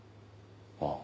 ああ。